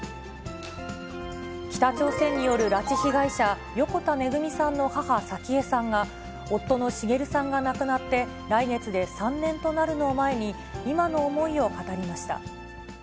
北朝鮮による拉致被害者、横田めぐみさんの母、早紀江さんが、夫の滋さんが亡くなって来月で３年となるのを前に、今の思いを語りました。